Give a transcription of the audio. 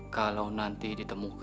kalau nanti ditemukan